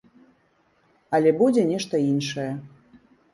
Але будзе нешта іншае.